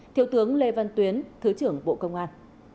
thiếu tướng lê văn tuyến thứ trưởng bộ công an